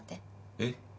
えっ？